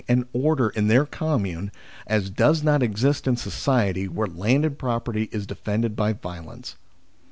99 and order in their commune as does not exist in society where landed property is defended by violence.